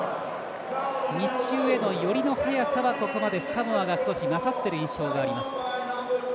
密集への寄りの速さはここまでサモアが勝っている印象があります。